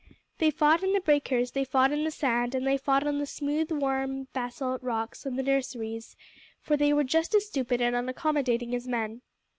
They fought in the breakers, they fought in the sand, and they fought on the smooth worn basalt rocks of the nurseries, for they were just as stupid and unaccommodating as men.